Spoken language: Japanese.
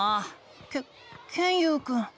ケケンユウくん。